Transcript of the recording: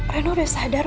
reno sudah sadar